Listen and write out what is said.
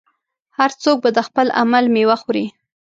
هر څوک به د خپل عمل میوه خوري.